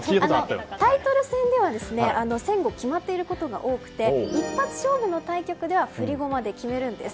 タイトル戦では先後決まっていることが多くて一発勝負の対局では振り駒で決めるんです。